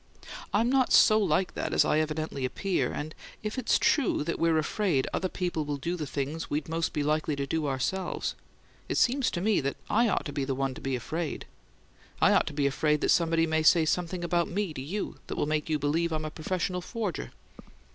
I'm not so like that as I evidently appear; and if it's true that we're afraid other people will do the things we'd be most likely to do ourselves, it seems to me that I ought to be the one to be afraid. I ought to be afraid that somebody may say something about me to you that will make you believe I'm a professional forger."